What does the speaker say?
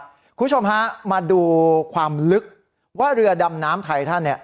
คุณผู้ชมฮะมาดูความลึกว่าเรือดำน้ำไทยท่านเนี่ย